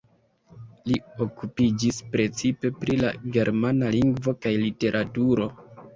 Li okupiĝis precipe pri la germana lingvo kaj literaturo.